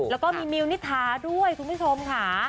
แล้วก็มีมิวนิษฐาด้วยคุณผู้ชมค่ะ